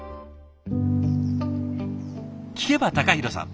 聞けば隆弘さん